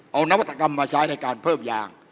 เอานวัตกรรมมาใช้ในการเพิ่มยาง